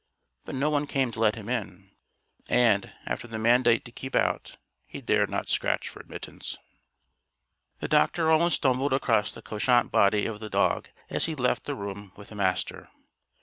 But no one came to let him in. And, after the mandate to keep out, he dared not scratch for admittance. The doctor almost stumbled across the couchant body of the dog as he left the room with the Master.